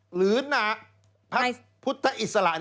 หรือนาพระพุทธอิสระ